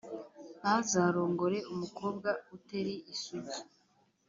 ntazarongore umukobwa uteri isugi